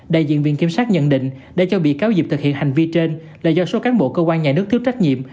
đại diện viện kiểm soát nhận định đã cho bị cáo dịp thực hiện hành vi trên là do số cán bộ cơ quan nhà nước thiếu trách nhiệm